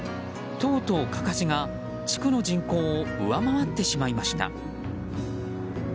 とうとうかかしが、地区の人口を上回ってしまいました。